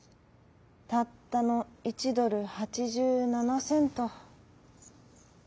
たったの１ドル８７セント。